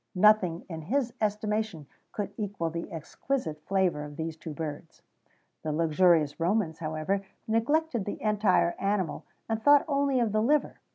[XVII 67] Nothing, in his estimation, could equal the exquisite flavour of these two birds. The luxurious Romans, however, neglected the entire animal, and thought only of the liver.